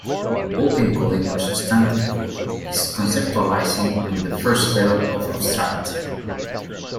Open coding or substantive coding is conceptualizing on the first level of abstraction.